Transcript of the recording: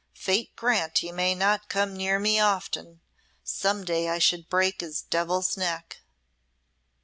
Fate grant he may not come near me often. Some day I should break his devil's neck."